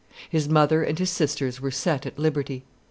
His mother and his sisters were set at liberty.